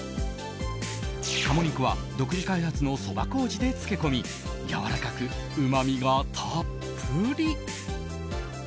鴨肉は独自開発のそば麹で漬け込みやわらかく、うまみがたっぷり。